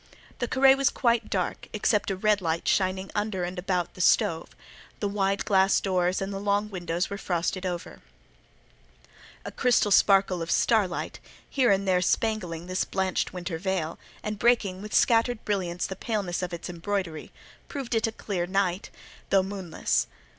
The carré was quite dark, except a red light shining under and about the stove; the wide glass doors and the long windows were frosted over; a crystal sparkle of starlight, here and there spangling this blanched winter veil, and breaking with scattered brilliance the paleness of its embroidery, proved it a clear night, though moonless.